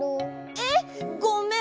えっごめん！